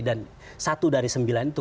dan satu dari sembilan itu